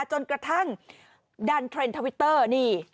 จนกระทั่งดันเทรนด์ทวิตเตอร์นี่